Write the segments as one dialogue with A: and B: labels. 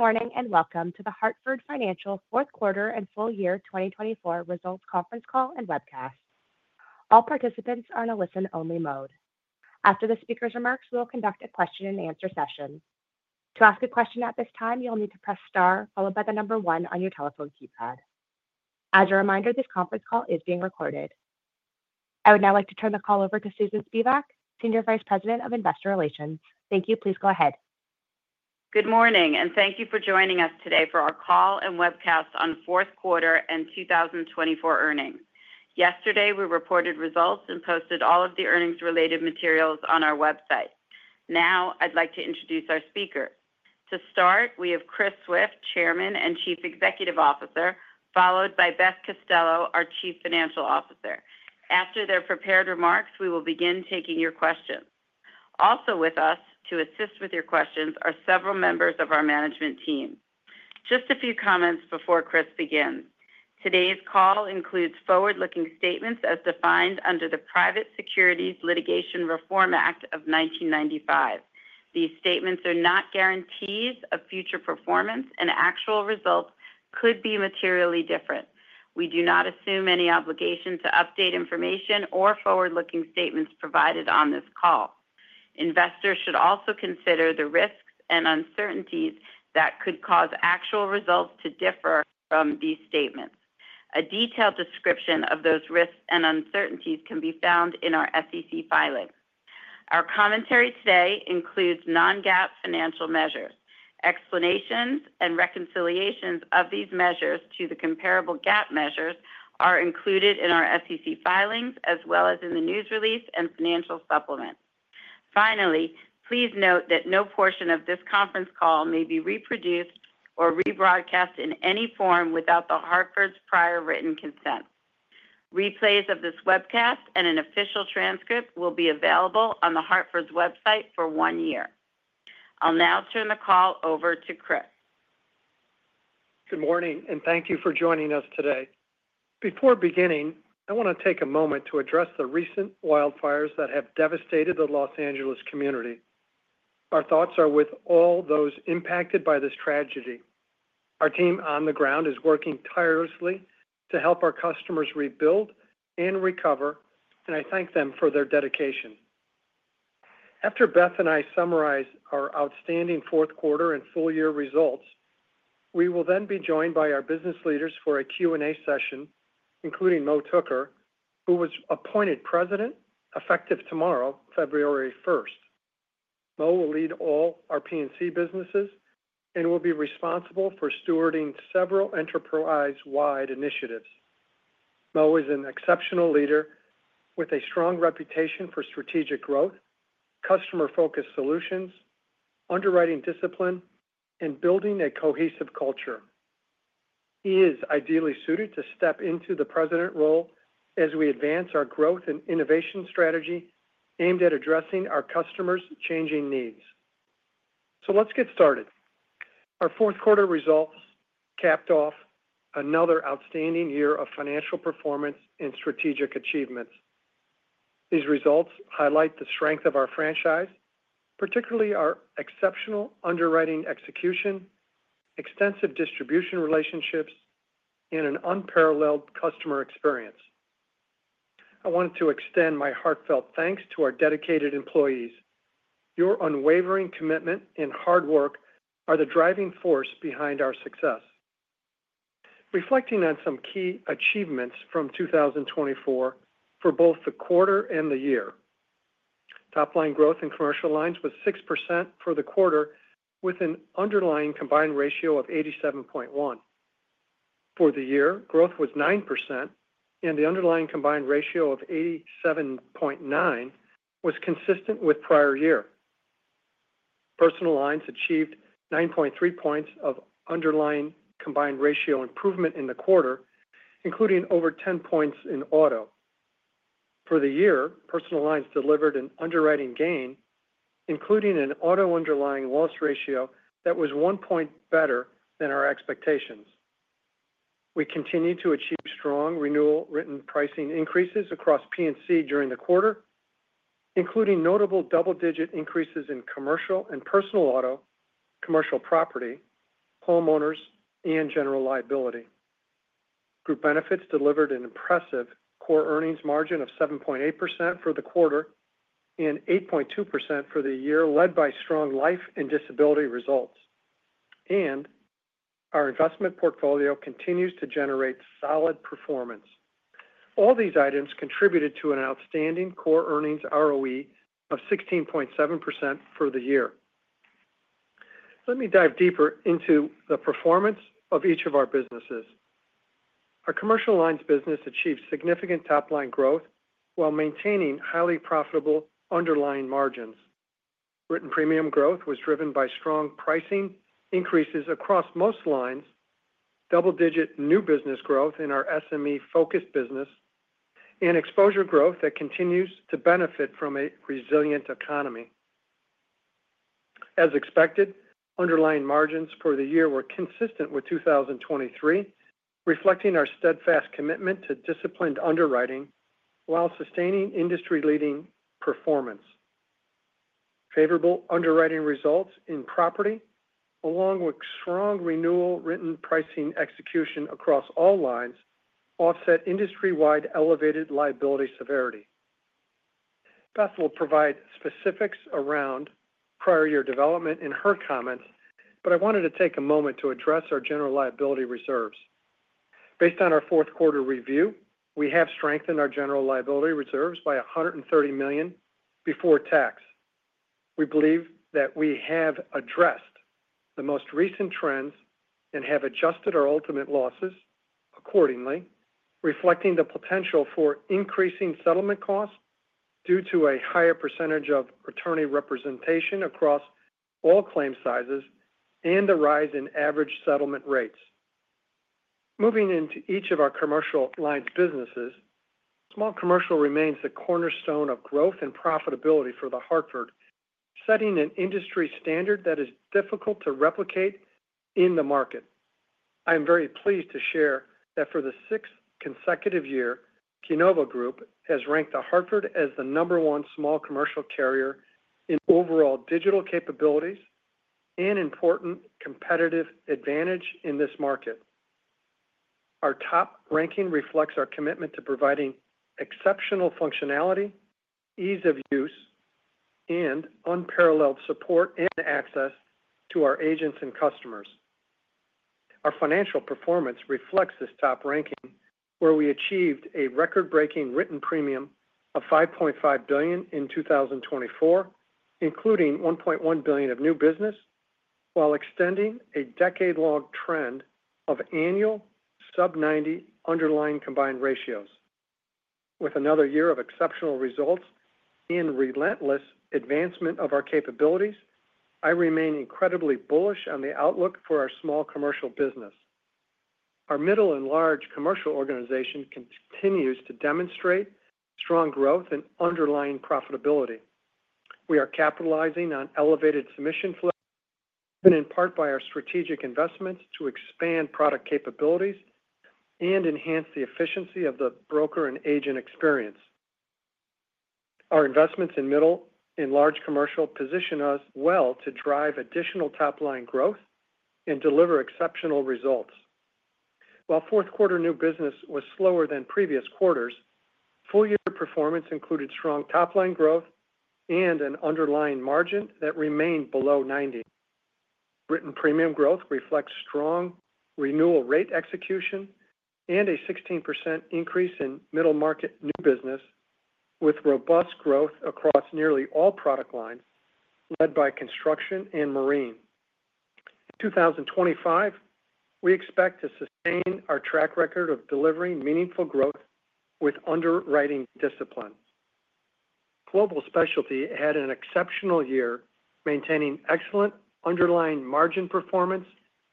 A: Good morning and welcome to The Hartford Financial Fourth Quarter and Full Year 2024 Results Conference Call and Webcast. All participants are in a listen-only mode. After the speaker's remarks, we will conduct a question-and-answer session. To ask a question at this time, you'll need to press star followed by the number one on your telephone keypad. As a reminder, this conference call is being recorded. I would now like to turn the call over to Susan Spivak, Senior Vice President of Investor Relations. Thank you. Please go ahead.
B: Good morning, and thank you for joining us today for our call and Webcast on Fourth Quarter and 2024 Earnings. Yesterday, we reported results and posted all of the earnings-related materials on our website. Now, I'd like to introduce our speakers. To start, we have Chris Swift, Chairman and Chief Executive Officer, followed by Beth Costello, our Chief Financial Officer. After their prepared remarks, we will begin taking your questions. Also with us to assist with your questions are several members of our management team. Just a few comments before Chris begins. Today's call includes forward-looking statements as defined under the Private Securities Litigation Reform Act of 1995. These statements are not guarantees of future performance, and actual results could be materially different. We do not assume any obligation to update information or forward-looking statements provided on this call. Investors should also consider the risks and uncertainties that could cause actual results to differ from these statements. A detailed description of those risks and uncertainties can be found in our SEC filing. Our commentary today includes non-GAAP financial measures. Explanations and reconciliations of these measures to the comparable GAAP measures are included in our SEC filings as well as in the news release and financial supplement. Finally, please note that no portion of this conference call may be reproduced or rebroadcast in any form without The Hartford's prior written consent. Replays of this webcast and an official transcript will be available on The Hartford's website for one year. I'll now turn the call over to Chris.
C: Good morning, and thank you for joining us today. Before beginning, I want to take a moment to address the recent wildfires that have devastated the Los Angeles community. Our thoughts are with all those impacted by this tragedy. Our team on the ground is working tirelessly to help our customers rebuild and recover, and I thank them for their dedication. After Beth and I summarize our outstanding fourth quarter and full year results, we will then be joined by our business leaders for a Q&A session, including Mo Tooker, who was appointed president effective tomorrow, February 1st. Mo will lead all our P&C businesses and will be responsible for stewarding several enterprise-wide initiatives. Mo is an exceptional leader with a strong reputation for strategic growth, customer-focused solutions, underwriting discipline, and building a cohesive culture. He is ideally suited to step into the president role as we advance our growth and innovation strategy aimed at addressing our customers' changing needs. So let's get started. Our fourth quarter results capped off another outstanding year of financial performance and strategic achievements. These results highlight the strength of our franchise, particularly our exceptional underwriting execution, extensive distribution relationships, and an unparalleled customer experience. I wanted to extend my heartfelt thanks to our dedicated employees. Your unwavering commitment and hard work are the driving force behind our success. Reflecting on some key achievements from 2024 for both the quarter and the year, top-line growth in Commercial Lines was 6% for the quarter, with an underlying combined ratio of 87.1. For the year, growth was 9%, and the underlying combined ratio of 87.9 was consistent with prior year. Personal Lines achieved 9.3 points of underlying combined ratio improvement in the quarter, including over 10 points in auto. For the year, Personal Lines delivered an underwriting gain, including an auto underlying loss ratio that was one point better than our expectations. We continue to achieve strong renewal written pricing increases across P&C during the quarter, including notable double-digit increases in commercial and personal auto, commercial property, homeowners, and general liability. Group benefits delivered an impressive core earnings margin of 7.8% for the quarter and 8.2% for the year, led by strong life and disability results, and our investment portfolio continues to generate solid performance. All these items contributed to an outstanding core earnings ROE of 16.7% for the year. Let me dive deeper into the performance of each of our businesses. Our Commercial Lines business achieved significant top-line growth while maintaining highly profitable underlying margins. Written premium growth was driven by strong pricing increases across most lines, double-digit new business growth in our SME-focused business, and exposure growth that continues to benefit from a resilient economy. As expected, underlying margins for the year were consistent with 2023, reflecting our steadfast commitment to disciplined underwriting while sustaining industry-leading performance. Favorable underwriting results in property, along with strong renewal written pricing execution across all lines, offset industry-wide elevated liability severity. Beth will provide specifics around prior year development in her comments, but I wanted to take a moment to address our general liability reserves. Based on our fourth quarter review, we have strengthened our general liability reserves by $130 million before tax. We believe that we have addressed the most recent trends and have adjusted our ultimate losses accordingly, reflecting the potential for increasing settlement costs due to a higher percentage of attorney representation across all claim sizes and the rise in average settlement rates. Moving into each of our Commercial Lines businesses, Small Commercial remains the cornerstone of growth and profitability for The Hartford, setting an industry standard that is difficult to replicate in the market. I am very pleased to share that for the sixth consecutive year, Keynova Group has ranked The Hartford as the number one Small Commercial carrier in overall digital capabilities and important competitive advantage in this market. Our top ranking reflects our commitment to providing exceptional functionality, ease of use, and unparalleled support and access to our agents and customers. Our financial performance reflects this top ranking, where we achieved a record-breaking written premium of $5.5 billion in 2024, including $1.1 billion of new business, while extending a decade-long trend of annual sub-90 underlying combined ratios. With another year of exceptional results and relentless advancement of our capabilities, I remain incredibly bullish on the outlook for our Small Commercial business. Our Middle and Large Commercial organization continues to demonstrate strong growth and underlying profitability. We are capitalizing on elevated submission flow, driven in part by our strategic investments to expand product capabilities and enhance the efficiency of the broker and agent experience. Our investments in Middle and Large Commercial position us well to drive additional top-line growth and deliver exceptional results. While fourth quarter new business was slower than previous quarters, full year performance included strong top-line growth and an underlying margin that remained below 90. Written premium growth reflects strong renewal rate execution and a 16% increase in middle market new business, with robust growth across nearly all product lines, led by construction and marine. In 2025, we expect to sustain our track record of delivering meaningful growth with underwriting discipline. Global Specialty had an exceptional year, maintaining excellent underlying margin performance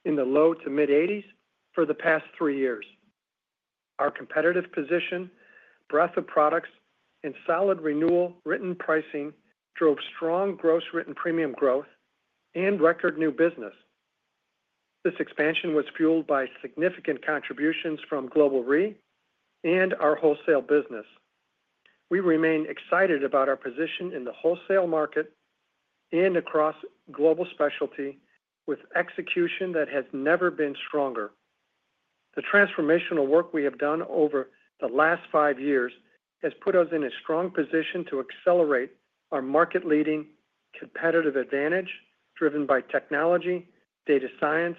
C: in the low- to mid-80s for the past three years. Our competitive position, breadth of products, and solid renewal written pricing drove strong gross written premium growth and record new business. This expansion was fueled by significant contributions from Global Re and our wholesale business. We remain excited about our position in the wholesale market and across Global Specialty, with execution that has never been stronger. The transformational work we have done over the last five years has put us in a strong position to accelerate our market-leading competitive advantage, driven by technology, data science,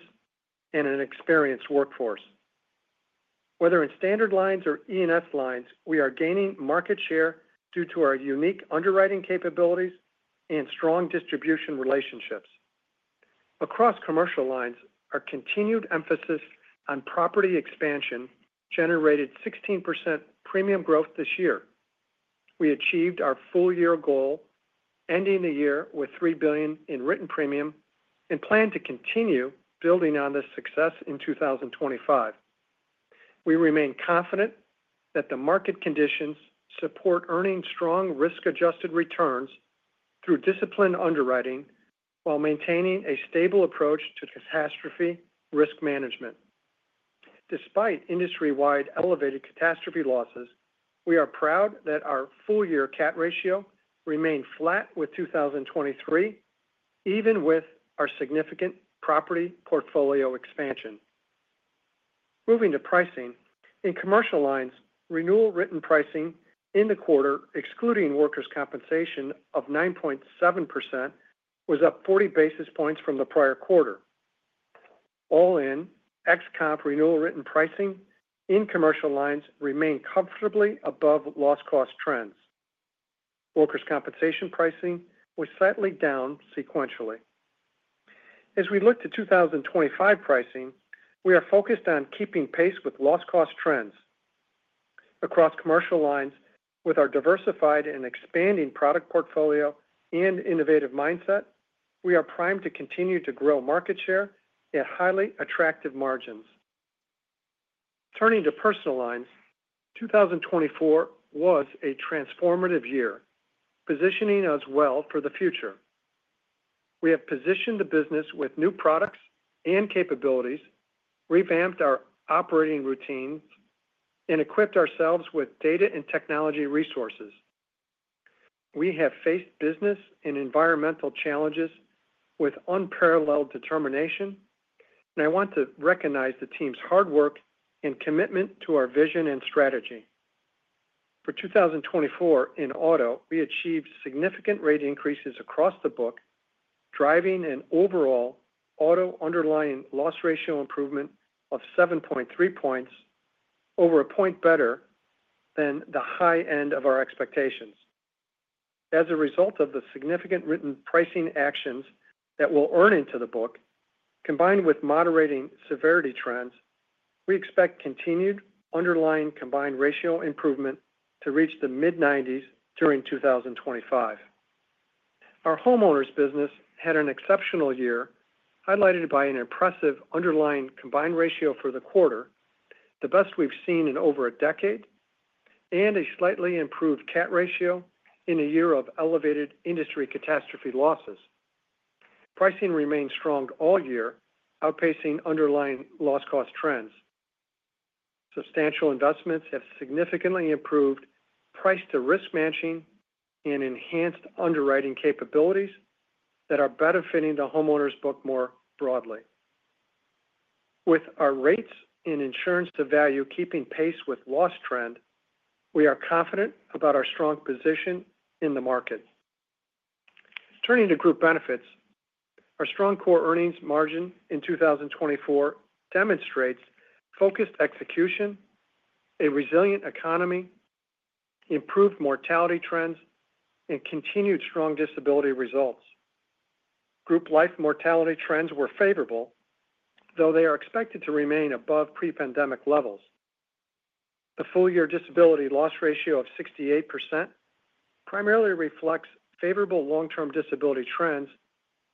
C: and an experienced workforce. Whether in standard lines or E&S lines, we are gaining market share due to our unique underwriting capabilities and strong distribution relationships. Across Commercial Lines, our continued emphasis on property expansion generated 16% premium growth this year. We achieved our full year goal, ending the year with $3 billion in written premium and plan to continue building on this success in 2025. We remain confident that the market conditions support earning strong risk-adjusted returns through disciplined underwriting while maintaining a stable approach to catastrophe risk management. Despite industry-wide elevated catastrophe losses, we are proud that our full year Cat ratio remained flat with 2023, even with our significant property portfolio expansion. Moving to pricing, in Commercial Lines, renewal written pricing in the quarter, excluding workers' compensation of 9.7%, was up 40 basis points from the prior quarter. All in, ex-comp renewal written pricing in Commercial Lines remained comfortably above loss-cost trends. workers' compensation pricing was slightly down sequentially. As we look to 2025 pricing, we are focused on keeping pace with loss-cost trends. Across Commercial Lines, with our diversified and expanding product portfolio and innovative mindset, we are primed to continue to grow market share at highly attractive margins. Turning to Personal Lines, 2024 was a transformative year, positioning us well for the future. We have positioned the business with new products and capabilities, revamped our operating routines, and equipped ourselves with data and technology resources. We have faced business and environmental challenges with unparalleled determination, and I want to recognize the team's hard work and commitment to our vision and strategy. For 2024 in auto, we achieved significant rate increases across the book, driving an overall auto underlying loss ratio improvement of 7.3 points, over a point better than the high end of our expectations. As a result of the significant written pricing actions that will earn into the book, combined with moderating severity trends, we expect continued underlying combined ratio improvement to reach the mid-90s during 2025. Our homeowners business had an exceptional year, highlighted by an impressive underlying combined ratio for the quarter, the best we've seen in over a decade, and a slightly improved Cat ratio in a year of elevated industry catastrophe losses. Pricing remained strong all year, outpacing underlying loss-cost trends. Substantial investments have significantly improved price-to-risk matching and enhanced underwriting capabilities that are benefiting the homeowners book more broadly. With our rates and insurance-to-value keeping pace with loss trend, we are confident about our strong position in the market. Turning to group benefits, our strong core earnings margin in 2024 demonstrates focused execution, a resilient economy, improved mortality trends, and continued strong disability results. Group life mortality trends were favorable, though they are expected to remain above pre-pandemic levels. The full year disability loss ratio of 68% primarily reflects favorable long-term disability trends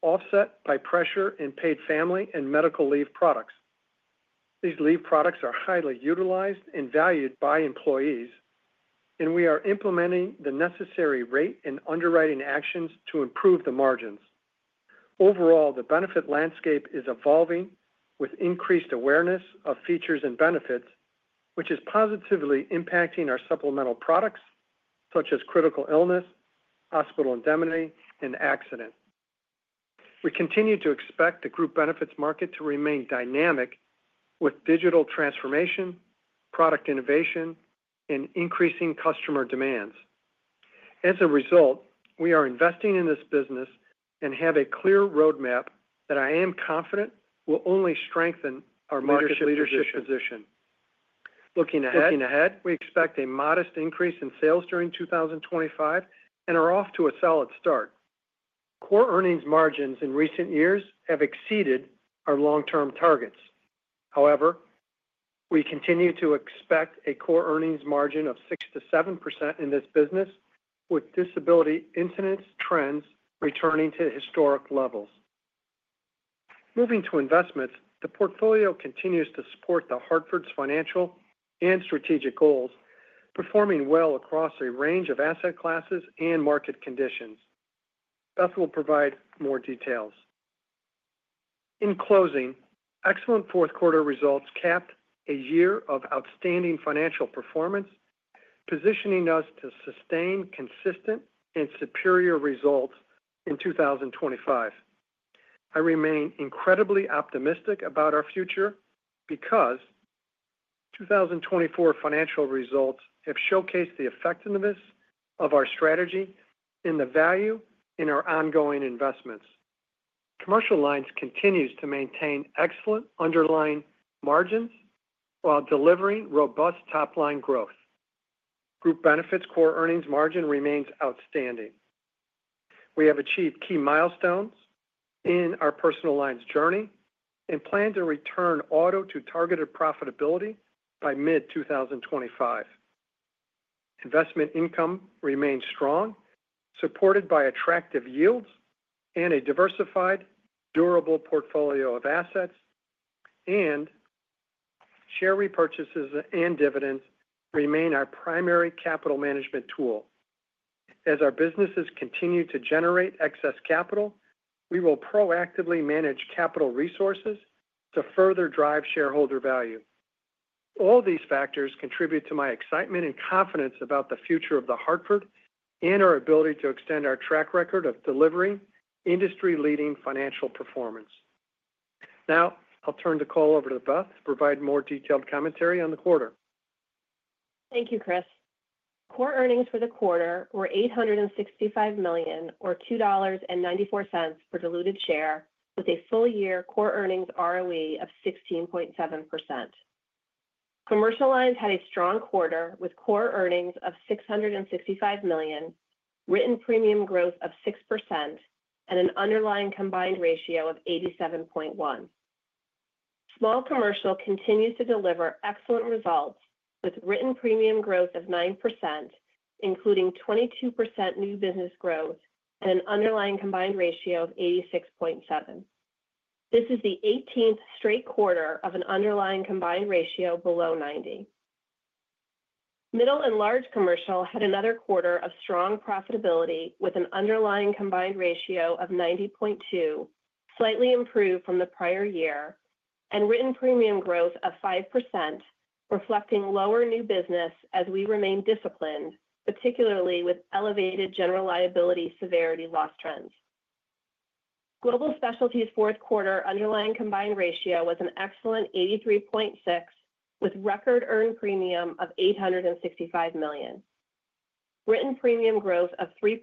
C: offset by pressure in paid family and medical leave products. These leave products are highly utilized and valued by employees, and we are implementing the necessary rate and underwriting actions to improve the margins. Overall, the benefit landscape is evolving with increased awareness of features and benefits, which is positively impacting our supplemental products such as critical illness, hospital indemnity, and accident. We continue to expect the Group Benefits market to remain dynamic with digital transformation, product innovation, and increasing customer demands. As a result, we are investing in this business and have a clear roadmap that I am confident will only strengthen our market leadership position. Looking ahead, we expect a modest increase in sales during 2025 and are off to a solid start. Core earnings margins in recent years have exceeded our long-term targets. However, we continue to expect a core earnings margin of 6%-7% in this business, with disability incidence trends returning to historic levels. Moving to investments, the portfolio continues to support The Hartford's financial and strategic goals, performing well across a range of asset classes and market conditions. Beth will provide more details. In closing, excellent fourth quarter results capped a year of outstanding financial performance, positioning us to sustain consistent and superior results in 2025. I remain incredibly optimistic about our future because 2024 financial results have showcased the effectiveness of our strategy and the value in our ongoing investments. Commercial lines continues to maintain excellent underlying margins while delivering robust top-line growth. Group benefits core earnings margin remains outstanding. We have achieved key milestones in our Personal Lines journey and plan to return auto to targeted profitability by mid-2025. Investment income remains strong, supported by attractive yields and a diversified, durable portfolio of assets, and share repurchases and dividends remain our primary capital management tool. As our businesses continue to generate excess capital, we will proactively manage capital resources to further drive shareholder value. All these factors contribute to my excitement and confidence about the future of The Hartford and our ability to extend our track record of delivering industry-leading financial performance. Now, I'll turn the call over to Beth to provide more detailed commentary on the quarter.
D: Thank you, Chris. Core earnings for the quarter were $865 million, or $2.94, per diluted share, with a full year core earnings ROE of 16.7%. Commercial lines had a strong quarter with core earnings of $665 million, written premium growth of 6%, and an underlying combined ratio of 87.1%. Small commercial continues to deliver excellent results with written premium growth of 9%, including 22% new business growth and an underlying combined ratio of 86.7%. This is the 18th straight quarter of an underlying combined ratio below 90%. Middle and Large Commercial had another quarter of strong profitability with an underlying combined ratio of 90.2, slightly improved from the prior year, and written premium growth of 5%, reflecting lower new business as we remain disciplined, particularly with elevated general liability severity loss trends. Global Specialty's fourth quarter underlying combined ratio was an excellent 83.6, with record earned premium of $865 million. Written premium growth of 3%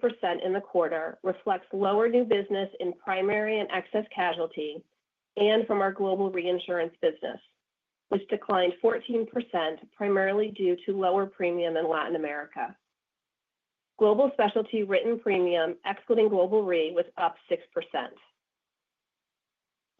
D: in the quarter reflects lower new business in primary and excess casualty and from our global reinsurance business, which declined 14%, primarily due to lower premium in Latin America. Global Specialty written premium excluding Global Re was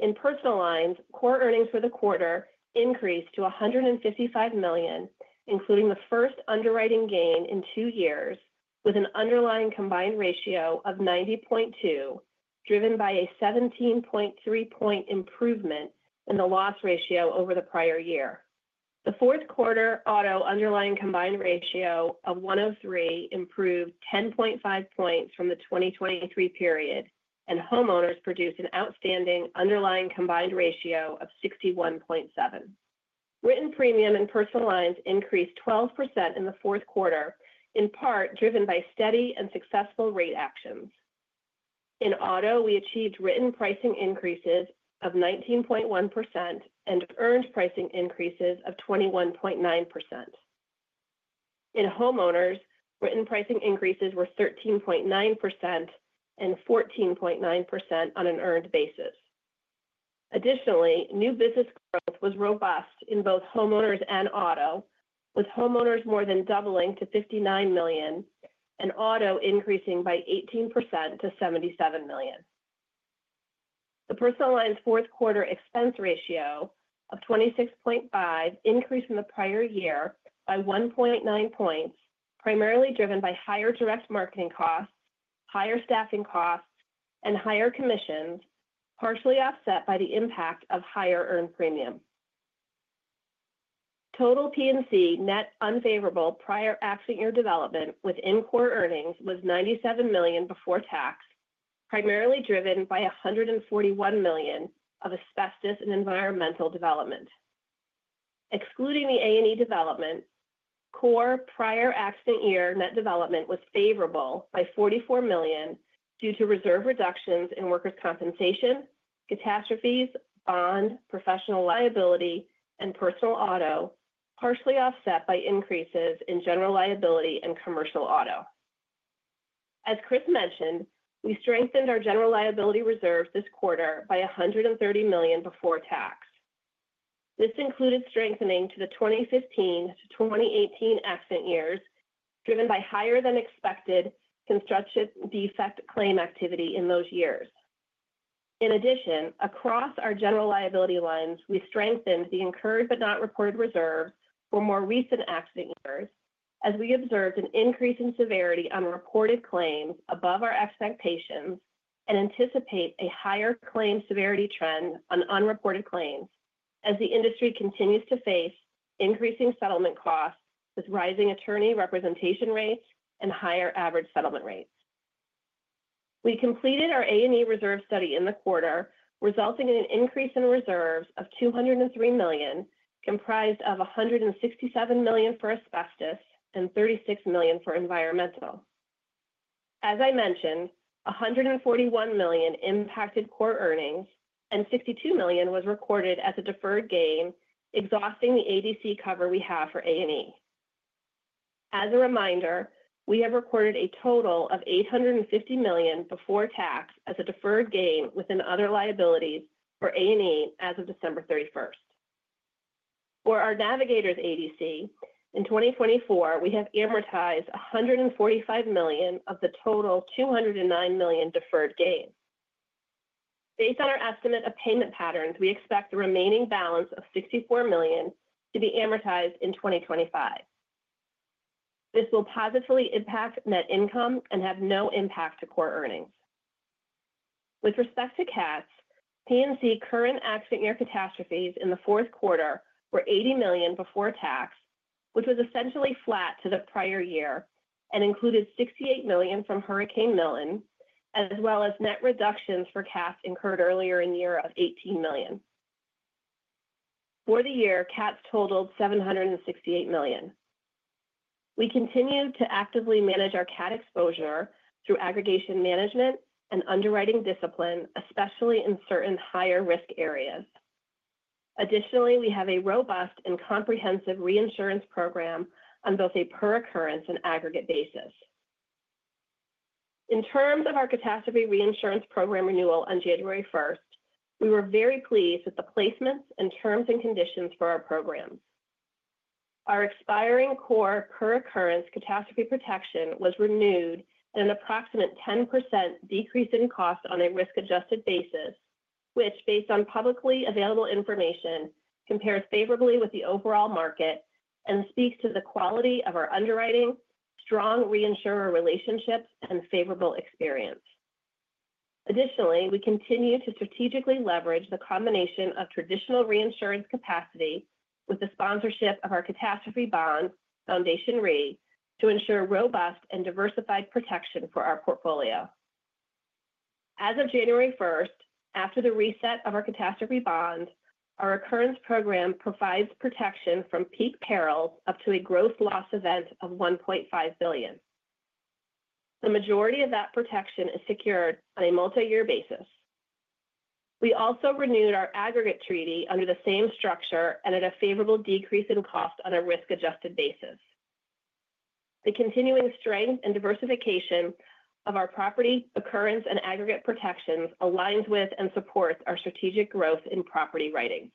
D: up 6%. In Personal Lines, core earnings for the quarter increased to $155 million, including the first underwriting gain in two years, with an underlying combined ratio of 90.2, driven by a 17.3-point improvement in the loss ratio over the prior year. The fourth quarter auto underlying combined ratio of 103 improved 10.5 points from the 2023 period, and homeowners produced an outstanding underlying combined ratio of 61.7. Written premium and Personal Lines increased 12% in the fourth quarter, in part driven by steady and successful rate actions. In auto, we achieved written pricing increases of 19.1% and earned pricing increases of 21.9%. In homeowners, written pricing increases were 13.9% and 14.9% on an earned basis. Additionally, new business growth was robust in both homeowners and auto, with homeowners more than doubling to $59 million and auto increasing by 18% to $77 million. The Personal Lines fourth quarter expense ratio of 26.5 increased from the prior year by 1.9 points, primarily driven by higher direct marketing costs, higher staffing costs, and higher commissions, partially offset by the impact of higher earned premium. Total P&C net unfavorable prior accident year development within Core Earnings was $97 million before tax, primarily driven by $141 million of Asbestos and Environmental development. Excluding the A&E development, core prior accident year net development was favorable by $44 million due to reserve reductions in workers' compensation, catastrophes, bond, professional liability, and personal auto, partially offset by increases in general liability and commercial auto. As Chris mentioned, we strengthened our general liability reserves this quarter by $130 million before tax. This included strengthening to the 2015-2018 accident years, driven by higher than expected construction defect claim activity in those years. In addition, across our general liability lines, we strengthened the incurred but not reported reserves for more recent accident years, as we observed an increase in severity on reported claims above our expectations and anticipate a higher claim severity trend on unreported claims as the industry continues to face increasing settlement costs with rising attorney representation rates and higher average settlement rates. We completed our A&E reserve study in the quarter, resulting in an increase in reserves of $203 million, comprised of $167 million for asbestos and $36 million for environmental. As I mentioned, $141 million impacted core earnings, and $62 million was recorded as a deferred gain, exhausting the ADC cover we have for A&E. As a reminder, we have recorded a total of $850 million before tax as a deferred gain within other liabilities for A&E as of December 31st. For our Navigators ADC, in 2024, we have amortized $145 million of the total $209 million deferred gain. Based on our estimate of payment patterns, we expect the remaining balance of $64 million to be amortized in 2025. This will positively impact net income and have no impact to core earnings. With respect to cats, P&C current accident year catastrophes in the fourth quarter were $80 million before tax, which was essentially flat to the prior year and included $68 million from Hurricane Milton, as well as net reductions for cats incurred earlier in year of $18 million. For the year, cats totaled $768 million. We continue to actively manage our cat exposure through aggregation management and underwriting discipline, especially in certain higher risk areas. Additionally, we have a robust and comprehensive reinsurance program on both a per-occurrence and aggregate basis. In terms of our catastrophe reinsurance program renewal on January 1st, we were very pleased with the placements and terms and conditions for our programs. Our expiring core per-occurrence catastrophe protection was renewed at an approximate 10% decrease in cost on a risk-adjusted basis, which, based on publicly available information, compares favorably with the overall market and speaks to the quality of our underwriting, strong reinsurer relationships, and favorable experience. Additionally, we continue to strategically leverage the combination of traditional reinsurance capacity with the sponsorship of our catastrophe bond, Foundation Re, to ensure robust and diversified protection for our portfolio. As of January 1st, after the reset of our catastrophe bond, our occurrence program provides protection from peak perils up to a gross loss event of $1.5 billion. The majority of that protection is secured on a multi-year basis. We also renewed our aggregate treaty under the same structure and at a favorable decrease in cost on a risk-adjusted basis. The continuing strength and diversification of our property occurrence and aggregate protections aligns with and supports our strategic growth in property writings.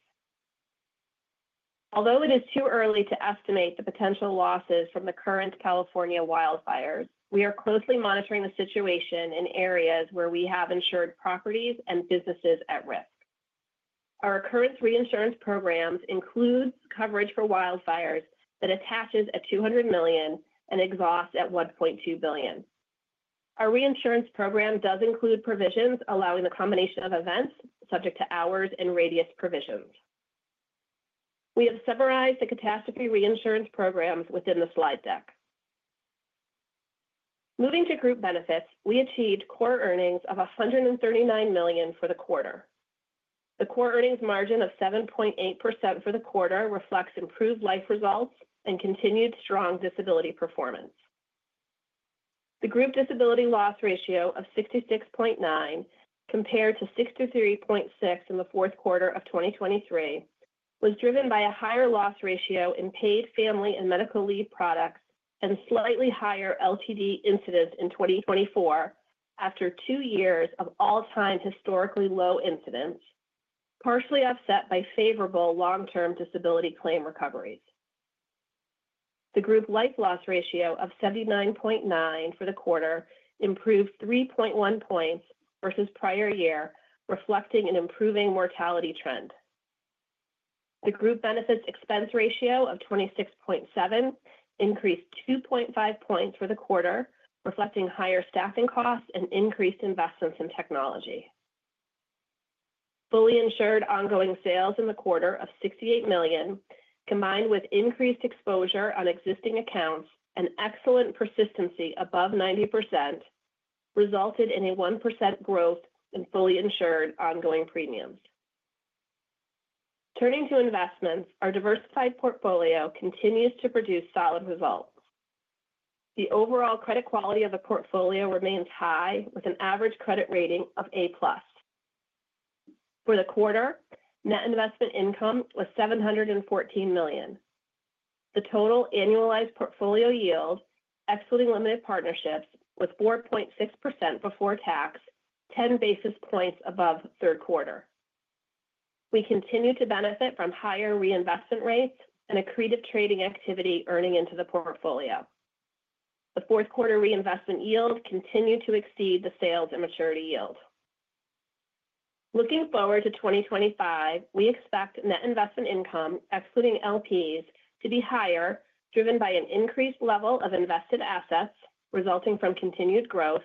D: Although it is too early to estimate the potential losses from the current California wildfires, we are closely monitoring the situation in areas where we have insured properties and businesses at risk. Our current reinsurance programs include coverage for wildfires that attaches at $200 million and exhausts at $1.2 billion. Our reinsurance program does include provisions allowing the combination of events subject to hours and radius provisions. We have summarized the catastrophe reinsurance programs within the slide deck. Moving to Group Benefits, we achieved core earnings of $139 million for the quarter. The core earnings margin of 7.8% for the quarter reflects improved life results and continued strong disability performance. The group disability loss ratio of 66.9, compared to 63.6 in the fourth quarter of 2023, was driven by a higher loss ratio in paid family and medical leave products and slightly higher LTD incidence in 2024 after two years of all-time historically low incidence, partially offset by favorable long-term disability claim recoveries. The group life loss ratio of 79.9 for the quarter improved 3.1 points versus prior year, reflecting an improving mortality trend. The Group Benefits expense ratio of 26.7 increased 2.5 points for the quarter, reflecting higher staffing costs and increased investments in technology. Fully insured ongoing sales in the quarter of $68 million, combined with increased exposure on existing accounts and excellent persistency above 90%, resulted in a 1% growth in fully insured ongoing premiums. Turning to investments, our diversified portfolio continues to produce solid results. The overall credit quality of the portfolio remains high, with an average credit rating of A-plus. For the quarter, net investment income was $714 million. The total annualized portfolio yield, excluding limited partnerships, was 4.6% before tax, 10 basis points above third quarter. We continue to benefit from higher reinvestment rates and accretive trading activity earning into the portfolio. The fourth quarter reinvestment yield continued to exceed the sales and maturity yield. Looking forward to 2025, we expect net investment income, excluding LPs, to be higher, driven by an increased level of invested assets resulting from continued growth,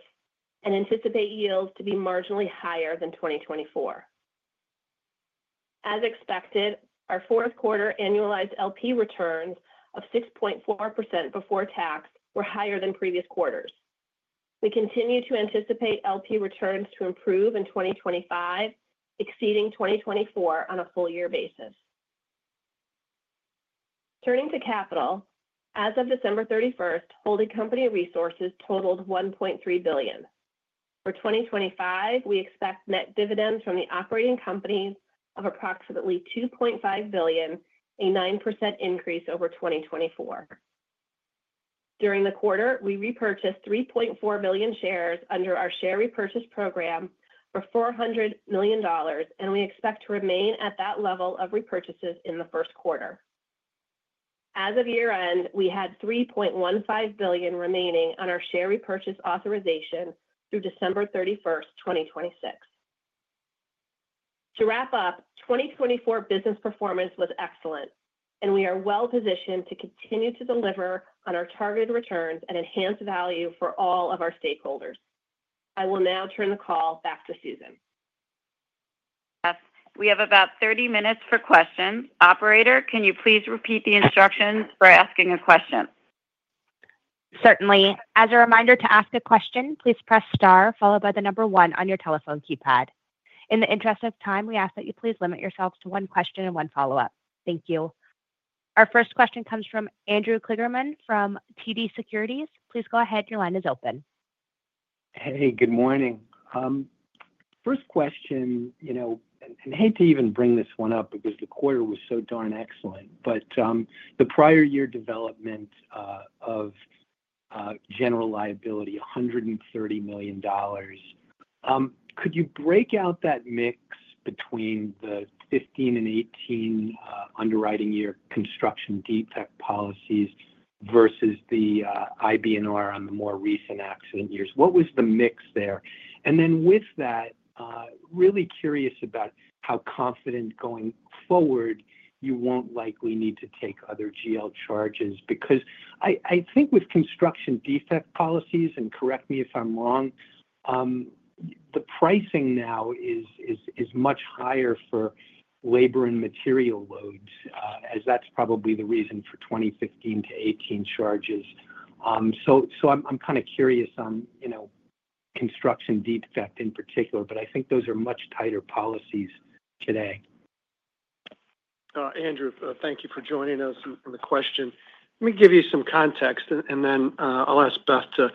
D: and anticipate yields to be marginally higher than 2024. As expected, our fourth quarter annualized LP returns of 6.4% before tax were higher than previous quarters. We continue to anticipate LP returns to improve in 2025, exceeding 2024 on a full year basis. Turning to capital, as of December 31st, holding company resources totaled $1.3 billion. For 2025, we expect net dividends from the operating companies of approximately $2.5 billion, a 9% increase over 2024. During the quarter, we repurchased 3.4 million shares under our share repurchase program for $400 million, and we expect to remain at that level of repurchases in the first quarter. As of year-end, we had $3.15 billion remaining on our share repurchase authorization through December 31st, 2026. To wrap up, 2024 business performance was excellent, and we are well-positioned to continue to deliver on our targeted returns and enhance value for all of our stakeholders. I will now turn the call back to Susan. We have about 30 minutes for questions.
B: Operator, can you please repeat the instructions for asking a question?
A: Certainly. As a reminder to ask a question, please press star, followed by the number one on your telephone keypad. In the interest of time, we ask that you please limit yourselves to one question and one follow-up. Thank you. Our first question comes from Andrew Kligerman from TD Securities. Please go ahead. Your line is open.
E: Hey, good morning. First question, and hate to even bring this one up because the quarter was so darn excellent, but the prior year development of general liability, $130 million. Could you break out that mix between the 2015 and 2018 underwriting year construction defect policies versus the IBNR on the more recent accident years? What was the mix there? And then with that, really curious about how confident going forward you won't likely need to take other GL charges because I think with construction defect policies, and correct me if I'm wrong, the pricing now is much higher for labor and material costs, as that's probably the reason for 2015 to 2018 charges. So I'm kind of curious on construction defect in particular, but I think those are much tighter policies today.
C: Andrew, thank you for joining us on the question. Let me give you some context, and then I'll ask Beth to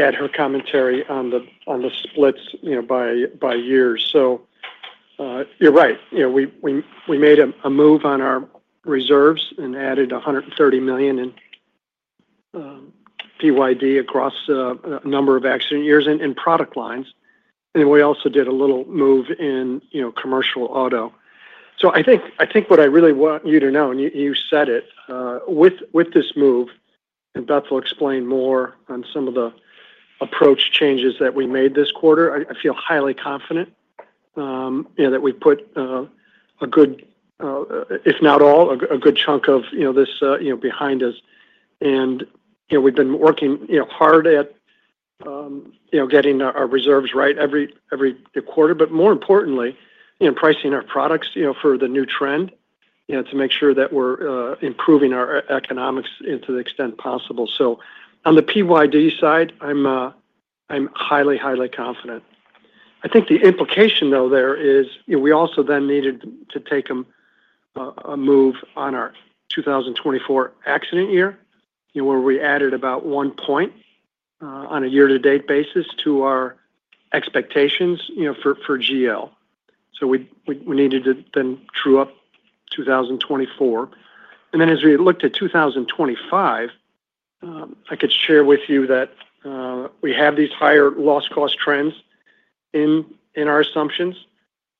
C: add her commentary on the splits by years. So you're right. We made a move on our reserves and added $130 million in PYD across a number of accident years and product lines. And then we also did a little move in commercial auto. So, I think what I really want you to know, and you said it, with this move, and Beth will explain more on some of the approach changes that we made this quarter. I feel highly confident that we've put a good, if not all, a good chunk of this behind us. And we've been working hard at getting our reserves right every quarter, but more importantly, pricing our products for the new trend to make sure that we're improving our economics to the extent possible. So, on the PYD side, I'm highly, highly confident. I think the implication, though, there is we also then needed to take a move on our 2024 accident year, where we added about one point on a year-to-date basis to our expectations for GL. So, we needed to then true up 2024. And then as we looked at 2025, I could share with you that we have these higher loss cost trends in our assumptions.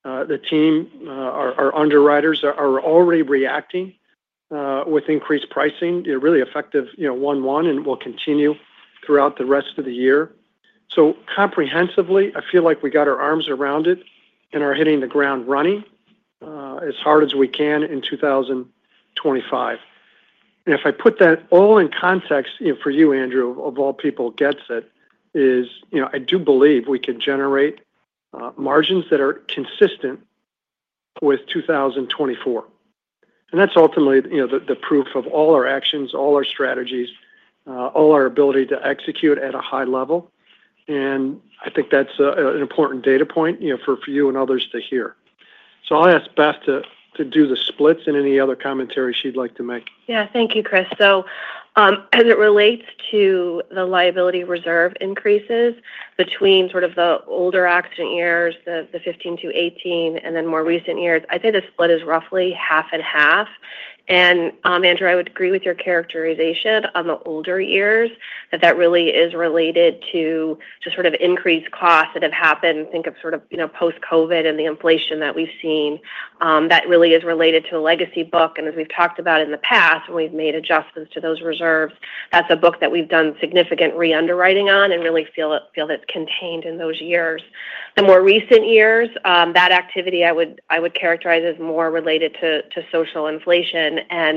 C: The team, our underwriters, are already reacting with increased pricing, really effective one-on-one, and will continue throughout the rest of the year. So comprehensively, I feel like we got our arms around it and are hitting the ground running as hard as we can in 2025. And if I put that all in context for you, Andrew, of all people gets it, is I do believe we can generate margins that are consistent with 2024. And that's ultimately the proof of all our actions, all our strategies, all our ability to execute at a high level. And I think that's an important data point for you and others to hear. So I'll ask Beth to do the splits and any other commentary she'd like to make. Yeah.
D: Thank you, Chris. So as it relates to the liability reserve increases between sort of the older accident years, the 2015-2018, and then more recent years, I'd say the split is roughly half and half. And Andrew, I would agree with your characterization on the older years that that really is related to just sort of increased costs that have happened. Think of sort of post-COVID and the inflation that we've seen. That really is related to a legacy book. And as we've talked about in the past, when we've made adjustments to those reserves, that's a book that we've done significant re-underwriting on and really feel that it's contained in those years. The more recent years, that activity I would characterize as more related to social inflation. As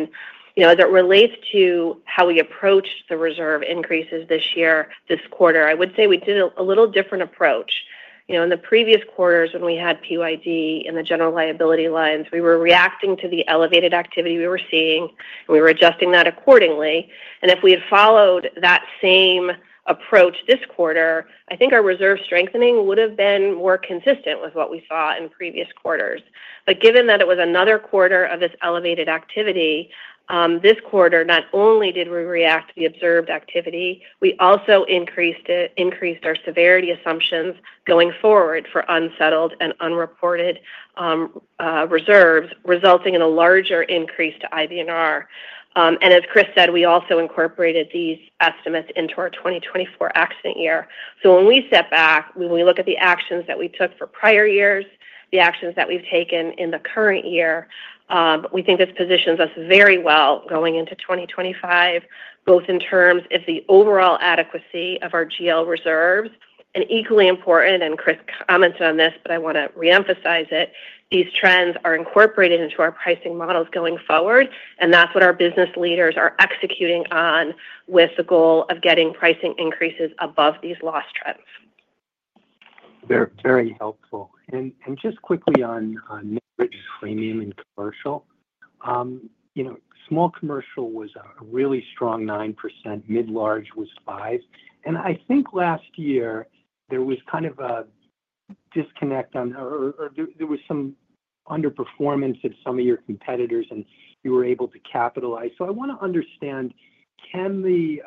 D: it relates to how we approach the reserve increases this year, this quarter, I would say we did a little different approach. In the previous quarters, when we had PYD and the general liability lines, we were reacting to the elevated activity we were seeing, and we were adjusting that accordingly. If we had followed that same approach this quarter, I think our reserve strengthening would have been more consistent with what we saw in previous quarters. Given that it was another quarter of this elevated activity, this quarter, not only did we react to the observed activity, we also increased our severity assumptions going forward for unsettled and unreported reserves, resulting in a larger increase to IBNR. As Chris said, we also incorporated these estimates into our 2024 accident year. So when we step back, when we look at the actions that we took for prior years, the actions that we've taken in the current year, we think this positions us very well going into 2025, both in terms of the overall adequacy of our GL reserves. And equally important, and Chris commented on this, but I want to reemphasize it, these trends are incorporated into our pricing models going forward, and that's what our business leaders are executing on with the goal of getting pricing increases above these loss trends.
E: Very helpful. And just quickly on net rate premium in commercial, Small Commercial was a really strong 9%, mid-large was 5%. And I think last year there was kind of a disconnect on, or there was some underperformance at some of your competitors, and you were able to capitalize. So I want to understand, do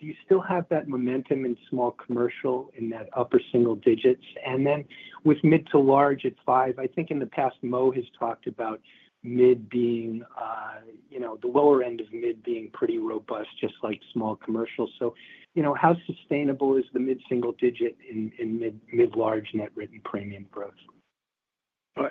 E: you still have that momentum in Small Commercial in that upper single digits? And then with mid to large at 5%, I think in the past, Mo has talked about mid being the lower end of mid being pretty robust, just like Small Commercial. So how sustainable is the mid-single digit in mid-large net written premium growth?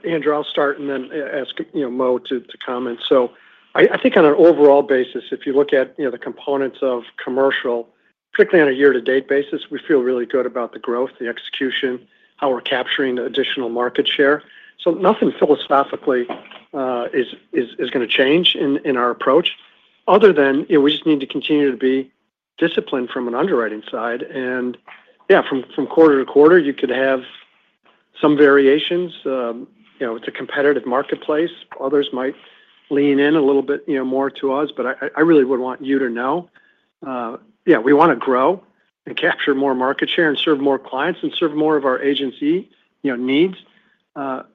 C: Andrew, I'll start and then ask Mo to comment. So I think on an overall basis, if you look at the components of commercial, particularly on a year-to-date basis, we feel really good about the growth, the execution, how we're capturing the additional market share. So nothing philosophically is going to change in our approach, other than we just need to continue to be disciplined from an underwriting side. And yeah, from quarter-to-quarter, you could have some variations. It's a competitive marketplace. Others might lean in a little bit more to us, but I really would want you to know, yeah, we want to grow and capture more market share and serve more clients and serve more of our agency needs,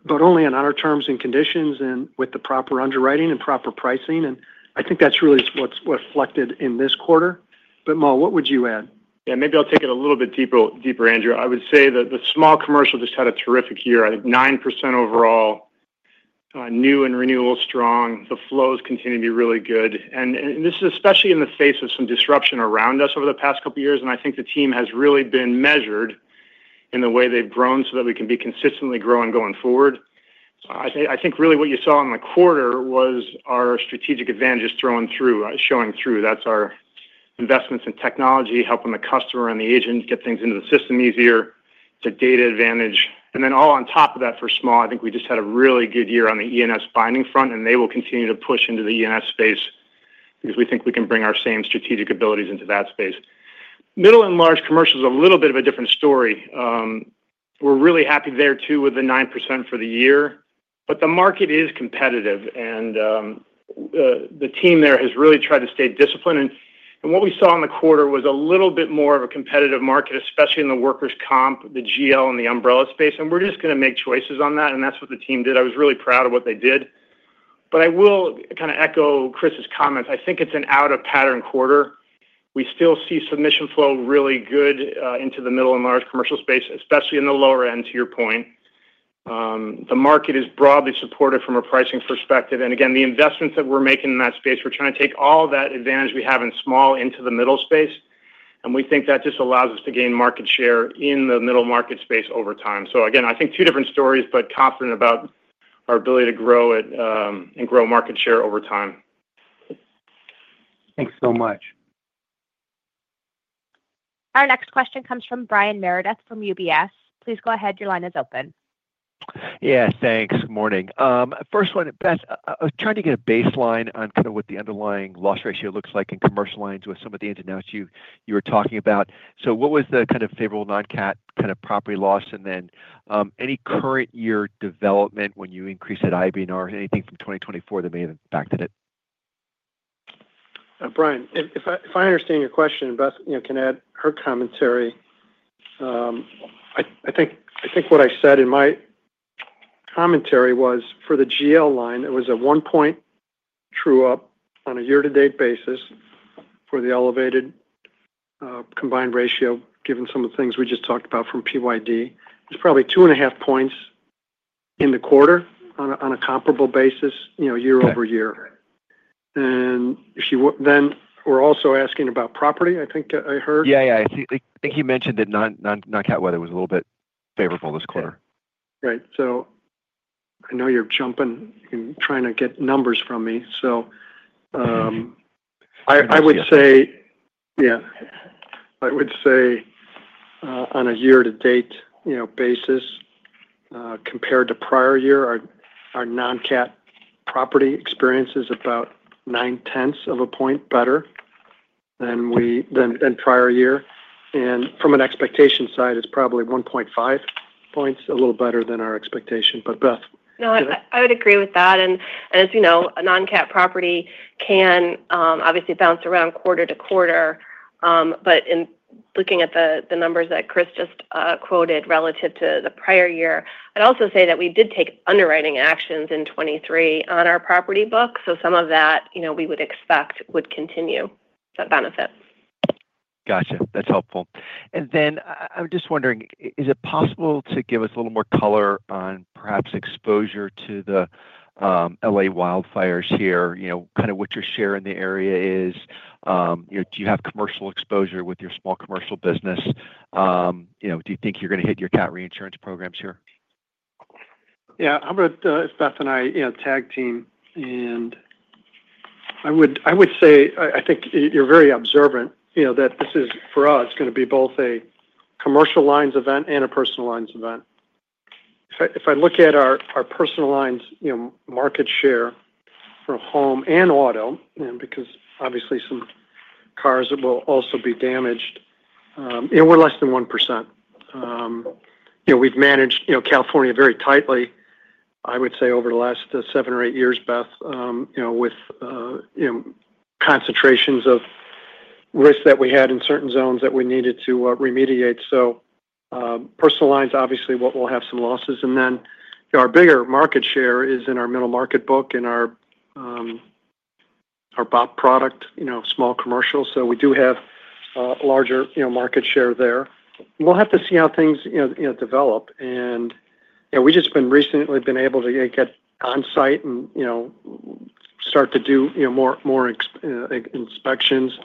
C: but only on our terms and conditions and with the proper underwriting and proper pricing. And I think that's really what's reflected in this quarter. But Mo, what would you add?
F: Yeah, maybe I'll take it a little bit deeper, Andrew. I would say that the Small Commercial just had a terrific year. I think 9% overall, new and renewal strong. The flows continue to be really good. And this is especially in the face of some disruption around us over the past couple of years. And I think the team has really been measured in the way they've grown so that we can be consistently growing going forward. I think really what you saw in the quarter was our strategic advantage is showing through. That's our investments in technology, helping the customer and the agent get things into the system easier, the data advantage. And then all on top of that for small, I think we just had a really good year on the E&S binding front, and they will continue to push into the E&S space because we think we can bring our same strategic abilities into that space. Middle and Large Commercial is a little bit of a different story. We're really happy there too with the 9% for the year, but the market is competitive, and the team there has really tried to stay disciplined. And what we saw in the quarter was a little bit more of a competitive market, especially in the workers' comp, the GL, and the umbrella space. And we're just going to make choices on that, and that's what the team did. I was really proud of what they did. But I will kind of echo Chris's comments. I think it's an out-of-pattern quarter. We still see submission flow really good into the Middle and Large Commercial space, especially in the lower end, to your point. The market is broadly supported from a pricing perspective. And again, the investments that we're making in that space, we're trying to take all that advantage we have in small into the middle space. And we think that just allows us to gain market share in the middle market space over time. So again, I think two different stories, but confident about our ability to grow and grow market share over time. Thanks so much.
A: Our next question comes from Brian Meredith from UBS. Please go ahead. Your line is open.
G: Yeah, thanks. Good morning. First one, Beth, I was trying to get a baseline on kind of what the underlying loss ratio looks like in Commercial Lines with some of the ins and outs you were talking about. So what was the kind of favorable non-cat kind of property loss? And then any current year development when you increased at IBNR? Anything from 2024 that may have impacted it?
C: Brian, if I understand your question, Beth can add her commentary. I think what I said in my commentary was for the GL line, it was a one-point true up on a year-to-date basis for the elevated combined ratio, given some of the things we just talked about from PYD. It's probably two and a half points in the quarter on a comparable basis year-over-year. And then we're also asking about property, I think I heard. Yeah, yeah.
G: I think you mentioned that non-cat weather was a little bit favorable this quarter. Right. So I know you're jumping and trying to get numbers from me. So I would say, yeah, I would say on a year-to-date basis, compared to prior year, our non-cat property experience is about 9/10 of a point better than prior year. And from an expectation side, it's probably 1.5 points, a little better than our expectation. But Beth?
D: No, I would agree with that. And as you know, a non-cat property can obviously bounce around quarter-to-quarter. But in looking at the numbers that Chris just quoted relative to the prior year, I'd also say that we did take underwriting actions in 2023 on our property book. So some of that we would expect would continue to benefit.
G: Gotcha. That's helpful. Then I'm just wondering, is it possible to give us a little more color on perhaps exposure to the LA wildfires here, kind of what your share in the area is? Do you have commercial exposure with your Small Commercial business? Do you think you're going to hit your cat reinsurance programs here?
C: Yeah. I'm going to Beth and I tag team. I would say, I think you're very observant that this is, for us, going to be both a Commercial Lines event and a Personal Lines event. If I look at our Personal Lines market share for home and auto, because obviously some cars will also be damaged, we're less than 1%. We've managed California very tightly, I would say, over the last seven or eight years, Beth, with concentrations of risk that we had in certain zones that we needed to remediate. So Personal Lines, obviously, will have some losses. And then our bigger market share is in our middle market book and our BOP product, Small Commercial. So we do have a larger market share there. We'll have to see how things develop. And we've just recently been able to get on site and start to do more inspections.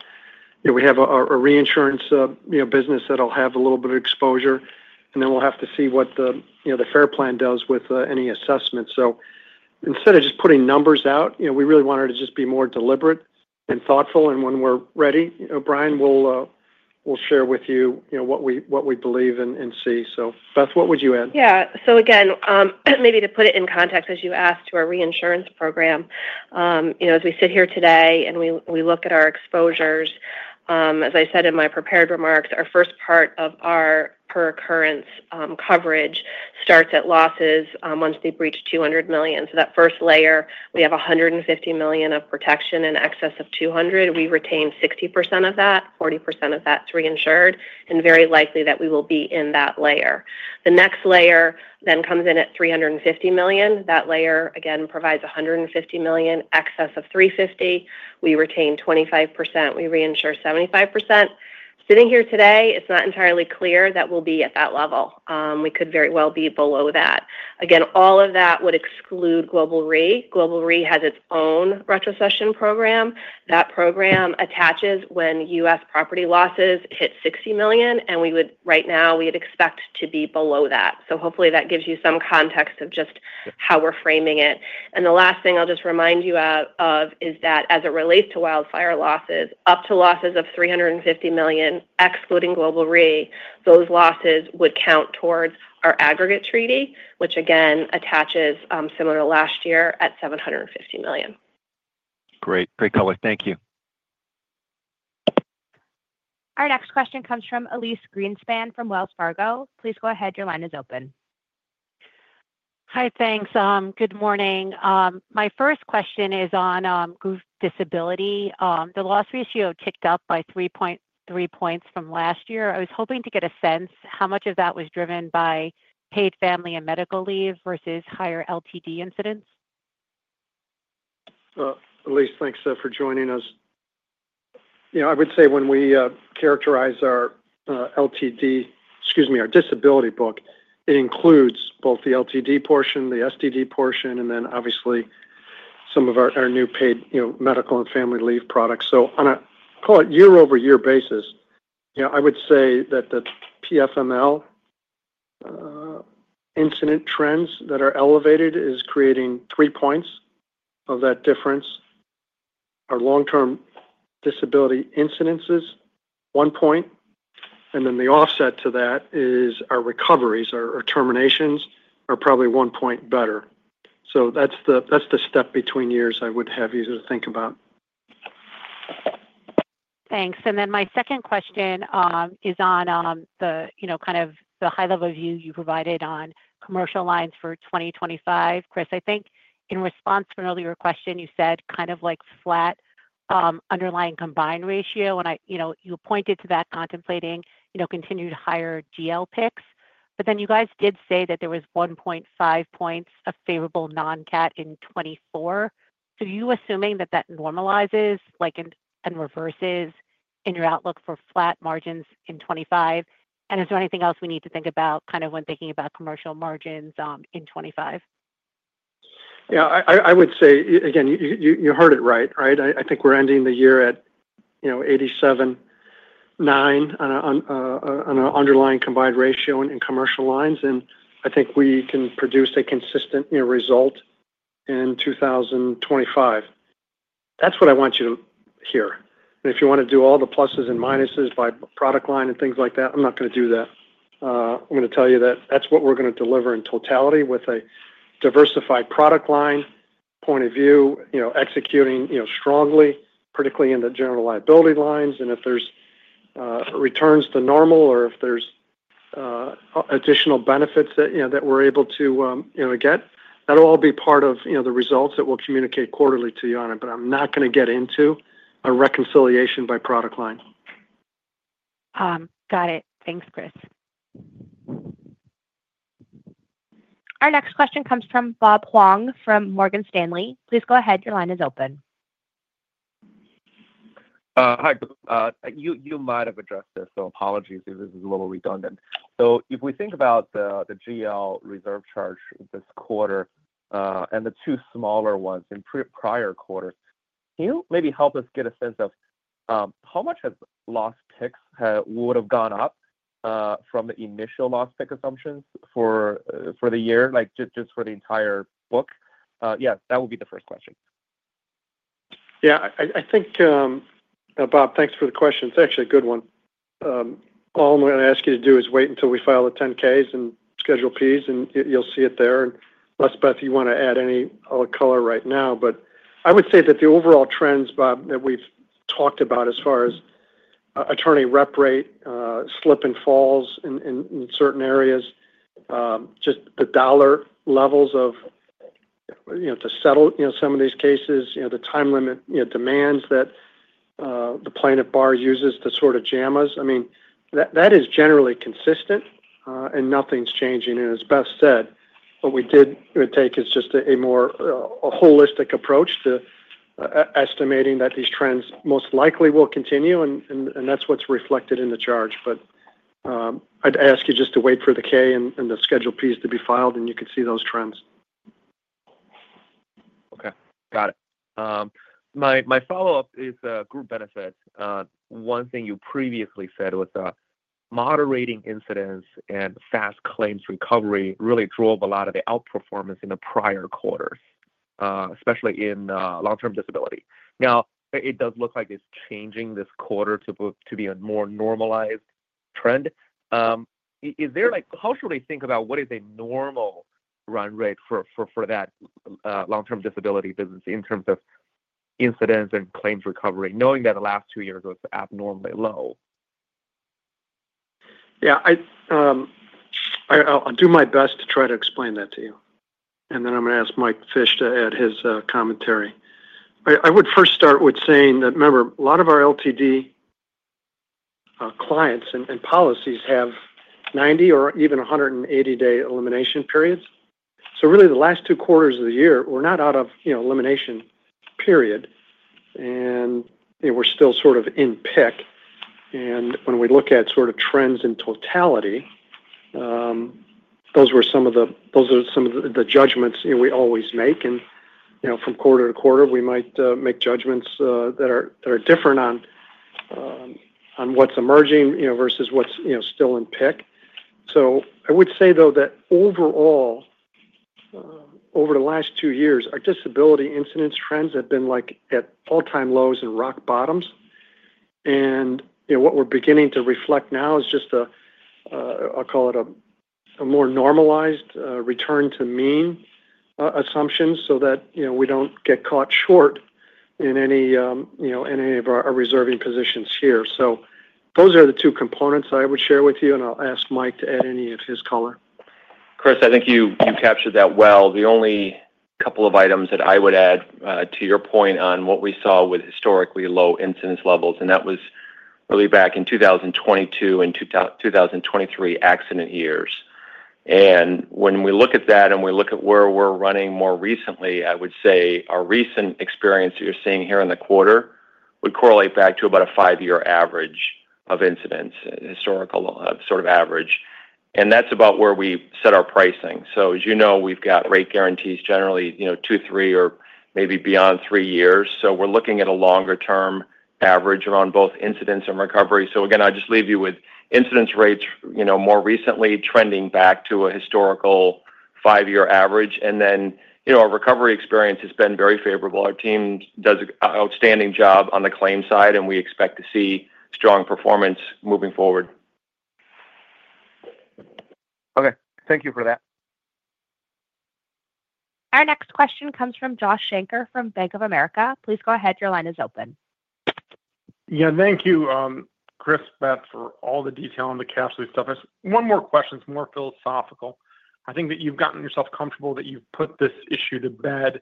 C: We have a reinsurance business that'll have a little bit of exposure. And then we'll have to see what the FAIR Plan does with any assessments. So instead of just putting numbers out, we really wanted to just be more deliberate and thoughtful. And when we're ready, Brian, we'll share with you what we believe and see. So Beth, what would you add?
D: Yeah. So again, maybe to put it in context as you asked to our reinsurance program, as we sit here today and we look at our exposures, as I said in my prepared remarks, our first part of our per occurrence coverage starts at losses once they breach $200 million. So that first layer, we have $150 million of protection and excess of $200 million. We retain 60% of that, 40% of that's reinsured, and very likely that we will be in that layer. The next layer then comes in at $350 million. That layer, again, provides $150 million, excess of $350 million. We retain 25%. We reinsure 75%. Sitting here today, it's not entirely clear that we'll be at that level. We could very well be below that. Again, all of that would exclude Global Re. Global Re has its own retrocession program. That program attaches when U.S. property losses hit $60 million, and right now, we would expect to be below that. So hopefully, that gives you some context of just how we're framing it. And the last thing I'll just remind you of is that as it relates to wildfire losses, up to losses of $350 million, excluding Global Re, those losses would count towards our aggregate treaty, which again, attaches similar to last year at $750 million.
G: Great. Great color. Thank you.
A: Our next question comes from Elyse Greenspan from Wells Fargo. Please go ahead. Your line is open.
H: Hi, thanks. Good morning. My first question is on disability. The loss ratio ticked up by 3.3 points from last year. I was hoping to get a sense how much of that was driven by paid family and medical leave versus higher LTD incidence. Elyse, thanks for joining us.
C: I would say when we characterize our LTD, excuse me, our disability book, it includes both the LTD portion, the STD portion, and then obviously some of our new paid medical and family leave products. So on a year-over-year basis, I would say that the PFML incidence trends that are elevated is creating 3 points of that difference. Our long-term disability incidences, 1 point. And then the offset to that is our recoveries or terminations are probably 1 point better. So that's the step between years I would have you to think about.
H: Thanks. And then my second question is on kind of the high-level view you provided on Commercial Lines for 2025. Chris, I think in response to an earlier question, you said kind of like flat underlying combined ratio, and you pointed to that contemplating continued higher GL picks. But then you guys did say that there was 1.5 points of favorable non-cat in 2024. So are you assuming that that normalizes and reverses in your outlook for flat margins in 2025? And is there anything else we need to think about kind of when thinking about commercial margins in 2025?
C: Yeah. I would say, again, you heard it right, right? I think we're ending the year at 87.9 on an underlying combined ratio in Commercial Lines. And I think we can produce a consistent result in 2025. That's what I want you to hear. And if you want to do all the pluses and minuses by product line and things like that, I'm not going to do that. I'm going to tell you that that's what we're going to deliver in totality with a diversified product line point of view, executing strongly, particularly in the general liability lines. If there's returns to normal or if there's additional benefits that we're able to get, that'll all be part of the results that we'll communicate quarterly to you on it. But I'm not going to get into a reconciliation by product line.
H: Got it. Thanks, Chris.
A: Our next question comes from Bob Huang from Morgan Stanley. Please go ahead. Your line is open.
I: Hi. You might have addressed this, so apologies if this is a little redundant. So if we think about the GL reserve charge this quarter and the two smaller ones in prior quarters, can you maybe help us get a sense of how much have loss picks would have gone up from the initial loss pick assumptions for the year, just for the entire book? Yeah, that would be the first question.
C: Yeah. I think, Bob, thanks for the question. It's actually a good one. All I'm going to ask you to do is wait until we file the 10-Ks and Schedule Ps, and you'll see it there. And unless, Beth, you want to add any color right now. But I would say that the overall trends, Bob, that we've talked about as far as attorney rep rate, slip and falls in certain areas, just the dollar levels to settle some of these cases, the time limit demands that the plaintiff bar uses to sort of jam us. I mean, that is generally consistent, and nothing's changing. And as Beth said, what we did take is just a more holistic approach to estimating that these trends most likely will continue, and that's what's reflected in the charge. But I'd ask you just to wait for the K and the Schedule Ps to be filed, and you can see those trends.
I: Okay. Got it. My follow-up is Group Benefits. One thing you previously said was moderating incidence and fast claims recovery really drove a lot of the outperformance in the prior quarters, especially in long-term disability. Now, it does look like it's changing this quarter to be a more normalized trend. How should we think about what is a normal run rate for that long-term disability business in terms of incidence and claims recovery, knowing that the last two years was abnormally low?
C: Yeah. I'll do my best to try to explain that to you. And then I'm going to ask Mike Fish to add his commentary. I would first start with saying that, remember, a lot of our LTD clients and policies have 90- or even 180-day elimination periods. So really, the last two quarters of the year, we're not out of elimination period, and we're still sort of in pick. When we look at sort of trends in totality, those are some of the judgments we always make. From quarter-to-quarter, we might make judgments that are different on what's emerging versus what's still at peak. So I would say, though, that overall, over the last two years, our disability incidence trends have been at all-time lows and rock bottoms. What we're beginning to reflect now is just, I'll call it, a more normalized return-to-mean assumption so that we don't get caught short in any of our reserving positions here. Those are the two components I would share with you, and I'll ask Mike to add any of his color.
F: Chris, I think you captured that well. The only couple of items that I would add to your point on what we saw with historically low incidence levels, and that was really back in 2022 and 2023 accident years. And when we look at that and we look at where we're running more recently, I would say our recent experience that you're seeing here in the quarter would correlate back to about a five-year average of incidence, historical sort of average. And that's about where we set our pricing. So as you know, we've got rate guarantees generally two, three, or maybe beyond three years. So we're looking at a longer-term average around both incidence and recovery. So again, I'll just leave you with incidence rates more recently trending back to a historical five-year average. And then our recovery experience has been very favorable. Our team does an outstanding job on the claim side, and we expect to see strong performance moving forward.
I: Okay. Thank you for that.
A: Our next question comes from Josh Shanker from Bank of America. Please go ahead. Your line is open.
J: Yeah. Thank you, Chris, Beth, for all the detail on the casualty stuff. One more question. It's more philosophical. I think that you've gotten yourself comfortable that you've put this issue to bed.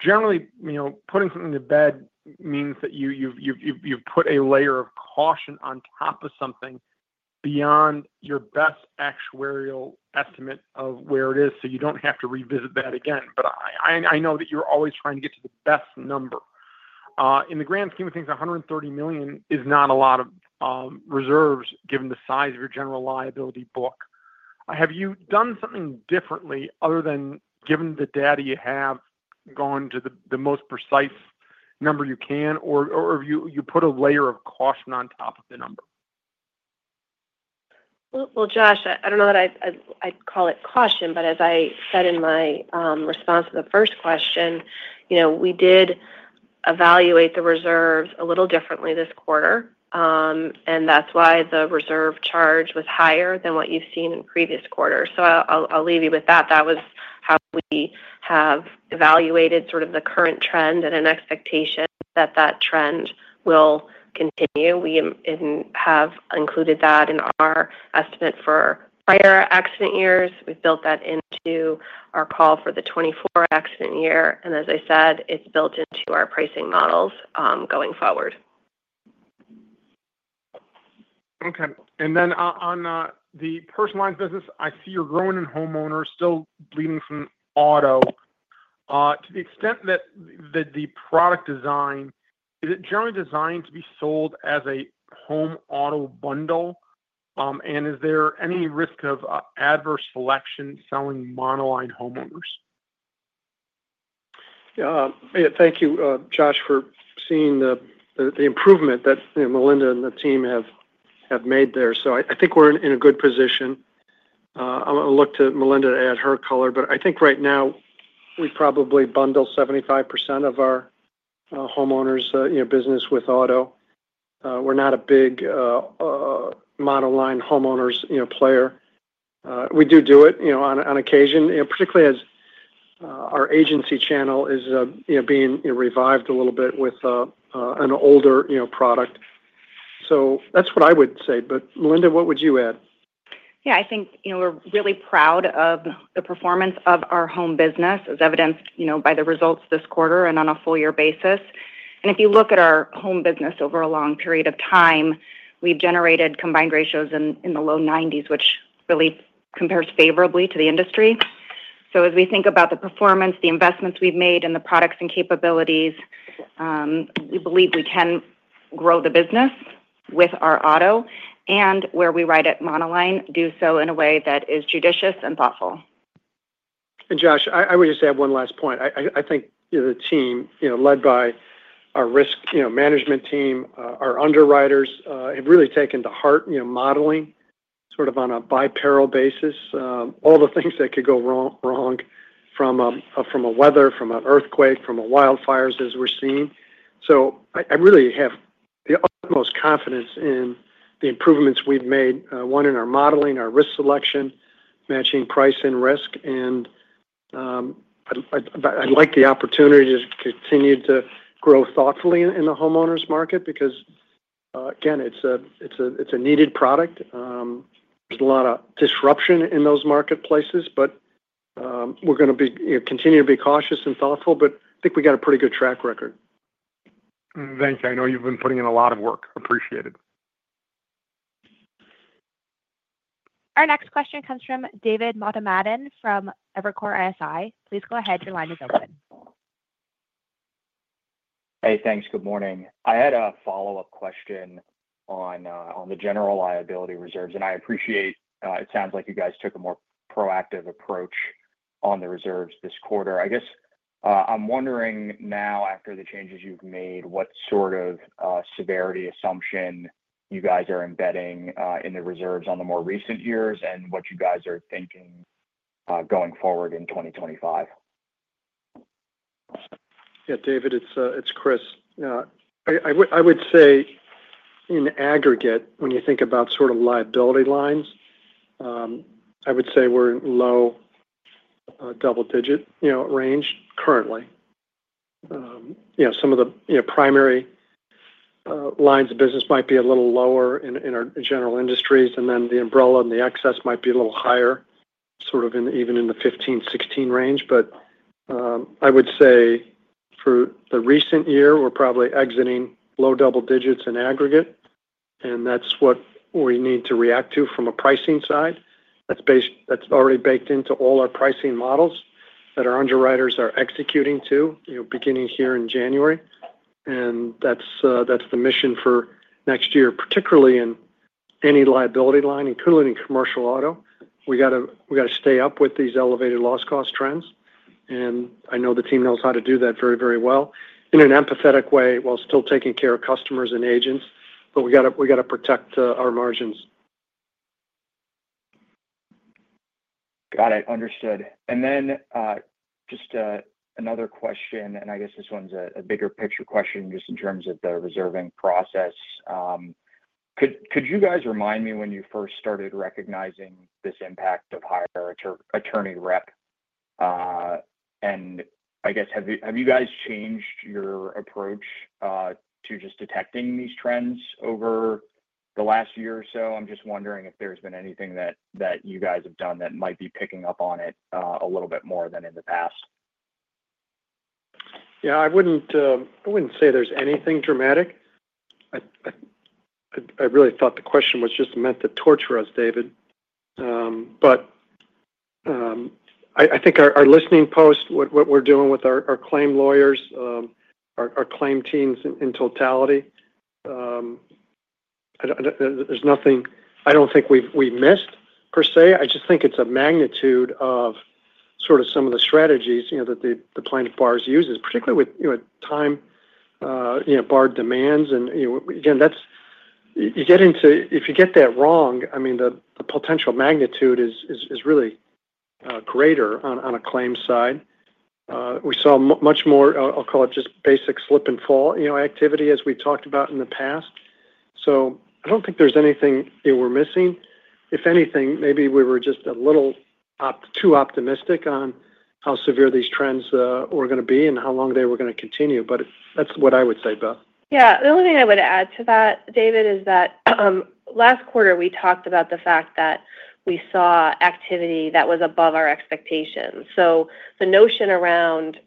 J: Generally, putting something to bed means that you've put a layer of caution on top of something beyond your best actuarial estimate of where it is so you don't have to revisit that again. But I know that you're always trying to get to the best number. In the grand scheme of things, $130 million is not a lot of reserves given the size of your general liability book. Have you done something differently other than given the data you have, gone to the most precise number you can, or have you put a layer of caution on top of the number?
D: Well, Josh, I don't know that I'd call it caution, but as I said in my response to the first question, we did evaluate the reserves a little differently this quarter, and that's why the reserve charge was higher than what you've seen in previous quarters, so I'll leave you with that. That was how we have evaluated sort of the current trend and an expectation that that trend will continue. We have included that in our estimate for prior accident years. We've built that into our call for the 2024 accident year, and as I said, it's built into our pricing models going forward.
J: Okay. Then on the Personal Lines business, I see you're growing in homeowners, still bleeding from auto. To the extent that the product design is it generally designed to be sold as a home auto bundle? And is there any risk of adverse selection selling monoline homeowners?
C: Yeah. Thank you, Josh, for seeing the improvement that Melinda and the team have made there. So I think we're in a good position. I'm going to look to Melinda to add her color. But I think right now, we probably bundle 75% of our homeowners' business with auto. We're not a big monoline homeowners' player. We do do it on occasion, particularly as our agency channel is being revived a little bit with an older product. So that's what I would say. But Melinda, what would you add? Yeah.
K: I think we're really proud of the performance of our home business, as evidenced by the results this quarter and on a full-year basis. And if you look at our home business over a long period of time, we've generated combined ratios in the low 90s, which really compares favorably to the industry. So as we think about the performance, the investments we've made, and the products and capabilities, we believe we can grow the business with our auto and where we write it monoline, do so in a way that is judicious and thoughtful.
C: And Josh, I would just add one last point. I think the team, led by our risk management team, our underwriters, have really taken to heart modeling sort of on a by peril basis, all the things that could go wrong from weather, from an earthquake, from wildfires as we're seeing. So I really have the utmost confidence in the improvements we've made, one in our modeling, our risk selection, matching price and risk. And I'd like the opportunity to continue to grow thoughtfully in the homeowners' market because, again, it's a needed product. There's a lot of disruption in those marketplaces, but we're going to continue to be cautious and thoughtful. But I think we got a pretty good track record.
J: Thank you. I know you've been putting in a lot of work. Appreciate it.
A: Our next question comes from David Motemaden from Evercore ISI. Please go ahead. Your line is open.
L: Hey, thanks. Good morning. I had a follow-up question on the general liability reserves. And I appreciate it sounds like you guys took a more proactive approach on the reserves this quarter. I guess I'm wondering now, after the changes you've made, what sort of severity assumption you guys are embedding in the reserves on the more recent years and what you guys are thinking going forward in 2025.
C: Yeah. David, it's Chris. I would say, in aggregate, when you think about sort of liability lines, I would say we're in low double-digit range currently. Some of the primary lines of business might be a little lower in our General Industries, and then the umbrella and the excess might be a little higher, sort of even in the 15-16 range. But I would say for the recent year, we're probably exiting low double digits in aggregate, and that's what we need to react to from a pricing side. That's already baked into all our pricing models that our underwriters are executing too, beginning here in January. That's the mission for next year, particularly in any liability line, including commercial auto. We got to stay up with these elevated loss cost trends. And I know the team knows how to do that very, very well in an empathetic way while still taking care of customers and agents. But we got to protect our margins.
L: Got it. Understood. And then just another question, and I guess this one's a bigger picture question just in terms of the reserving process. Could you guys remind me when you first started recognizing this impact of higher attorney rep? And I guess, have you guys changed your approach to just detecting these trends over the last year or so? I'm just wondering if there's been anything that you guys have done that might be picking up on it a little bit more than in the past.
C: Yeah. I wouldn't say there's anything dramatic. I really thought the question was just meant to torture us, David. But I think our listening post, what we're doing with our claim lawyers, our claim teams in totality, I don't think we've missed per se. I just think it's a magnitude of sort of some of the strategies that the plaintiff bars uses, particularly with time-barred demands. And again, if you get that wrong, I mean, the potential magnitude is really greater on a claim side. We saw much more, I'll call it just basic slip and fall activity, as we talked about in the past. So I don't think there's anything we're missing. If anything, maybe we were just a little too optimistic on how severe these trends were going to be and how long they were going to continue. But that's what I would say, Beth. Yeah.
D: The only thing I would add to that, David, is that last quarter, we talked about the fact that we saw activity that was above our expectations. So the notion around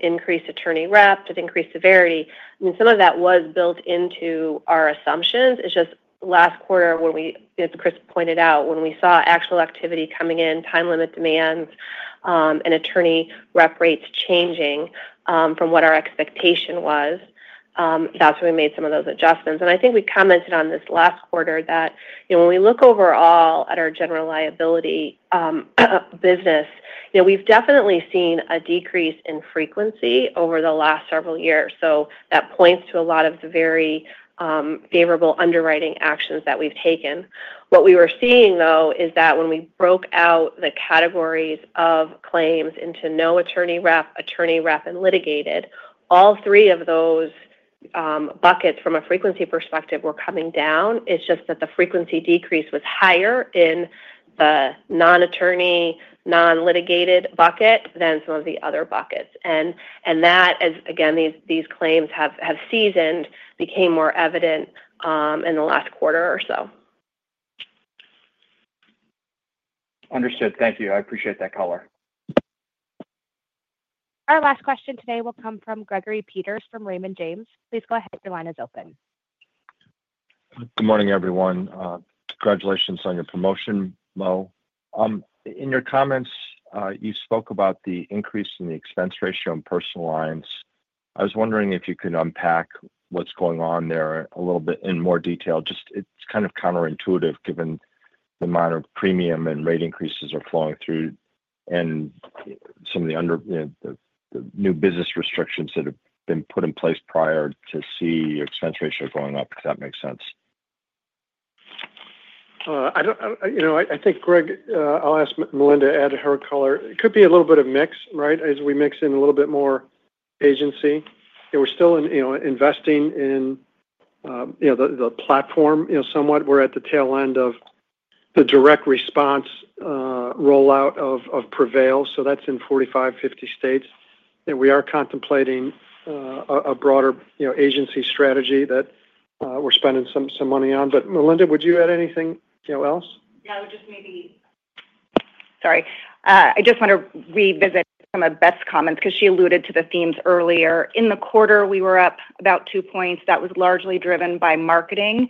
D: increased attorney rep, increased severity, I mean, some of that was built into our assumptions. It's just last quarter, as Chris pointed out, when we saw actual activity coming in, time-limit demands, and attorney rep rates changing from what our expectation was, that's where we made some of those adjustments. And I think we commented on this last quarter that when we look overall at our general liability business, we've definitely seen a decrease in frequency over the last several years. So that points to a lot of the very favorable underwriting actions that we've taken. What we were seeing, though, is that when we broke out the categories of claims into no attorney rep, attorney rep, and litigated, all three of those buckets from a frequency perspective were coming down. It's just that the frequency decrease was higher in the non-attorney, non-litigated bucket than some of the other buckets. And that, again, these claims have seasoned, became more evident in the last quarter or so.
L: Understood. Thank you. I appreciate that color.
A: Our last question today will come from Gregory Peters from Raymond James. Please go ahead. Your line is open.
M: Good morning, everyone. Congratulations on your promotion, Mo. In your comments, you spoke about the increase in the expense ratio in personal lines. I was wondering if you could unpack what's going on there a little bit in more detail. Just, it's kind of counterintuitive given the amount of premium and rate increases are flowing through and some of the new business restrictions that have been put in place prior to see your expense ratio going up, if that makes sense.
C: I think, Greg, I'll ask Melinda to add her color. It could be a little bit of mix, right, as we mix in a little bit more agency. We're still investing in the platform somewhat. We're at the tail end of the direct response rollout of Prevail. So that's in 45-50 states. And we are contemplating a broader agency strategy that we're spending some money on. But Melinda, would you add anything else?
N: Yeah. I would just maybe, sorry. I just want to revisit some of Beth's comments because she alluded to the themes earlier. In the quarter, we were up about two points. That was largely driven by marketing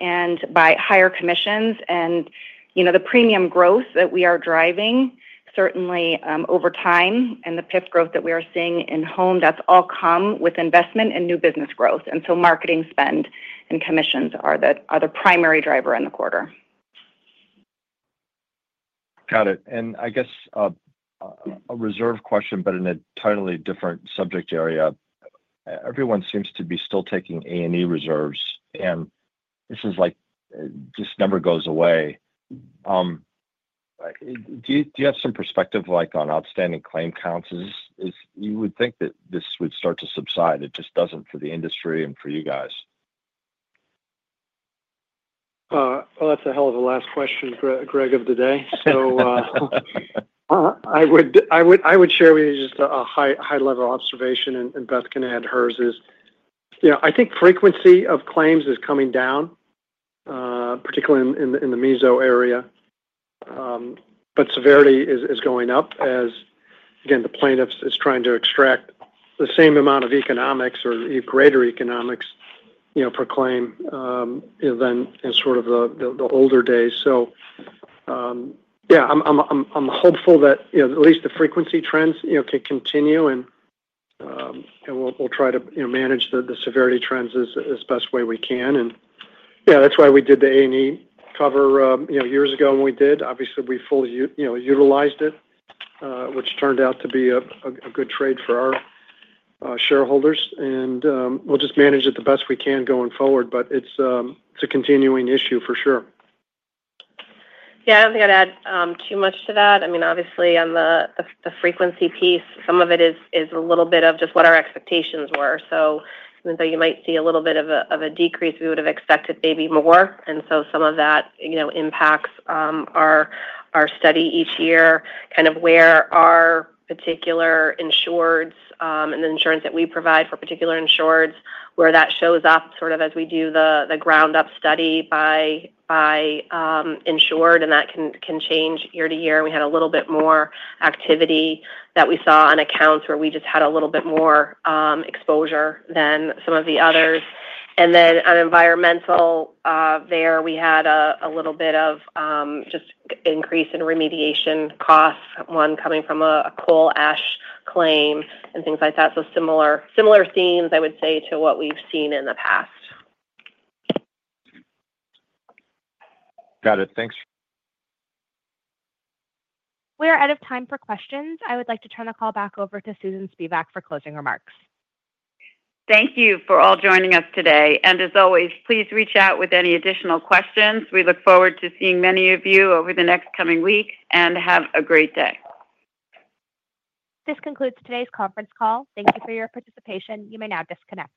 N: and by higher commissions. And the premium growth that we are driving, certainly over time, and the PIF growth that we are seeing in home, that's all come with investment and new business growth. And so marketing spend and commissions are the primary driver in the quarter.
M: Got it. And I guess a reserve question, but in a totally different subject area. Everyone seems to be still taking A&E reserves, and this number goes away. Do you have some perspective on outstanding claim counts? You would think that this would start to subside. It just doesn't for the industry and for you guys.
C: Well, that's a hell of a last question, Greg, of the day. So I would share with you just a high-level observation, and Beth can add hers. I think frequency of claims is coming down, particularly in the meso area, but severity is going up as, again, the plaintiffs are trying to extract the same amount of economics or even greater economics per claim than in sort of the older days. Yeah, I'm hopeful that at least the frequency trends can continue, and we'll try to manage the severity trends as best we can. Yeah, that's why we did the A&E cover years ago when we did. Obviously, we fully utilized it, which turned out to be a good trade for our shareholders. We'll just manage it the best we can going forward, but it's a continuing issue for sure. Yeah. I don't think I'd add too much to that.
D: I mean, obviously, on the frequency piece, some of it is a little bit of just what our expectations were. So even though you might see a little bit of a decrease, we would have expected maybe more. And so some of that impacts our study each year, kind of where our particular insureds and the insurance that we provide for particular insureds, where that shows up sort of as we do the ground-up study by insured. And that can change year to year. We had a little bit more activity that we saw on accounts where we just had a little bit more exposure than some of the others. And then on environmental there, we had a little bit of just increase in remediation costs, one coming from a coal ash claim and things like that. So similar themes, I would say, to what we've seen in the past.
M: Got it. Thanks.
A: We are out of time for questions. I would like to turn the call back over to Susan Spivak for closing remarks. Thank you for all joining us today, and as always, please reach out with any additional questions. We look forward to seeing many of you over the next coming week, and have a great day. This concludes today's conference call. Thank you for your participation. You may now disconnect.